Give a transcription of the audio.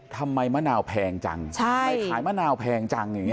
มะนาวแพงจังทำไมขายมะนาวแพงจังอย่างนี้